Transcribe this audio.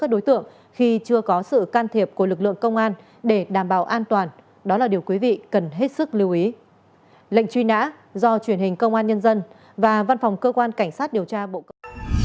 hãy đăng kí cho kênh lalaschool để không bỏ lỡ những video hấp dẫn